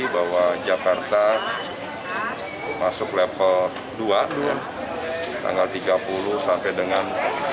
bahwa jakarta masuk level dua tanggal tiga puluh sampai dengan